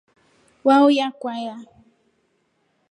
Wauya kwaya.